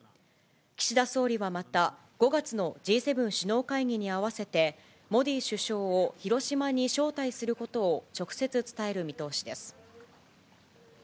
岸田総理はまた、５月のＧ７首脳会議に合わせて、モディ首相を広島に招待することを直接伝える見通しです。